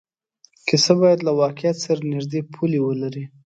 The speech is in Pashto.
کیسه باید له واقعیت سره نږدې پولې ولري.